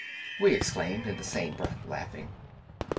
we exclaimed in the same breath, laughing.